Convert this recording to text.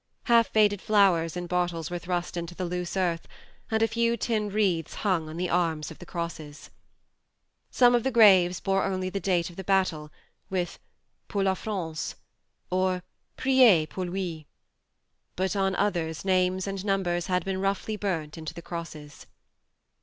Half faded flowers in bottles were thrust into the loose earth, and a few tin wreaths hung on the arms of the crosses. Some of the graves bore only the date of the battle, with " Pour la France," or THE MARNE 33 " Priez pour lui "; but on others names and numbers had been roughly burnt into the crosses.